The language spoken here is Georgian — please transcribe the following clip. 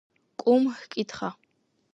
კუმ ჰკითხა: